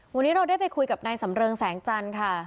วันนี้เราได้ไปคุยกับนายสำเริงแสงจันทร์ค่ะ